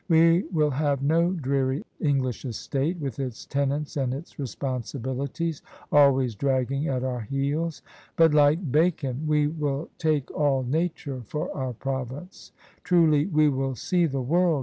We will have no dreary English estate, with its tenants and its responsibilities, always dragging at our heels, but — ^like Bacon — ^we will take all Nature for our province. Truly we will see the world.